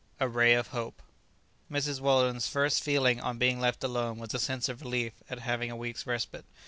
A RAY OF HOPE. Mrs. Weldon's first feeling on being left alone was a sense of relief at having a week's respite.